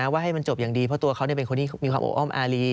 ว่าให้มันจบอย่างดีเพราะตัวเขาเป็นคนที่มีความอบอ้อมอารี